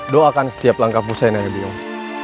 doakan setiap langkah pusennya biung